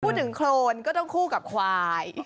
พูดถึงครนก็ต้องคู่กับควาย